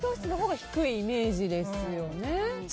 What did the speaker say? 冷蔵室のほうが低いイメージですよね。